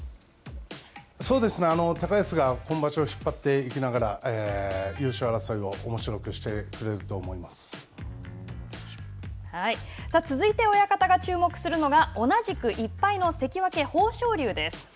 そうですね、高安が今場所を引っ張っていきながら、優勝争いを続いて親方が注目するのが同じく１敗の関脇・豊昇龍です。